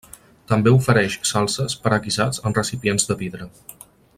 També ofereix salses per a guisats en recipients de vidre.